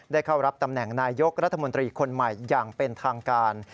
เข้ารับตำแหน่งนายยกรัฐมนตรีคนใหม่อย่างเป็นทางการ